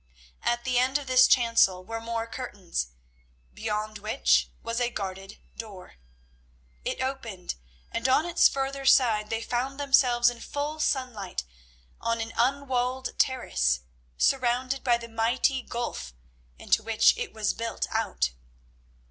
At the end of this chancel were more curtains, beyond which was a guarded door. It opened, and on its further side they found themselves in full sunlight on an unwalled terrace, surrounded by the mighty gulf into which it was built out.